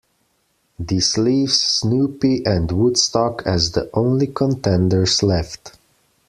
This leaves Snoopy and Woodstock as the only contenders left.